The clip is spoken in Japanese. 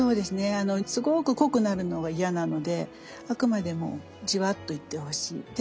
すごく濃くなるのが嫌なのであくまでもじわっといってほしい。